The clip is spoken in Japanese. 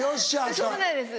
そうなんです